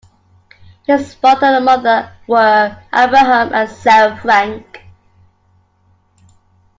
His father and mother were Abraham and Sarah Frank.